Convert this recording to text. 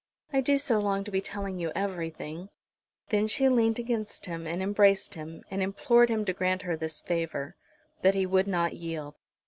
I do so long to be telling you everything." Then she leant against him and embraced him, and implored him to grant her this favour. But he would not yield.